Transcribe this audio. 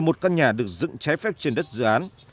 có một mươi một căn nhà được dựng trái phép trên đất dự án